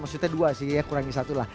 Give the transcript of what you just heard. maksudnya dua sih kurangnya satu lah